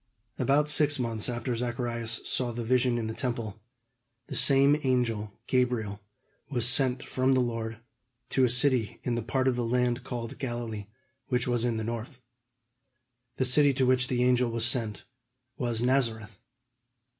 About six months after Zacharias saw the vision in the Temple, the same angel Gabriel was sent from the Lord to a city in the part of the land called Galilee, which was in the north. The city to which the angel was sent was Nazareth.